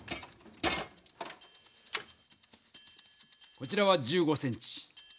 こちらは１５ｃｍ。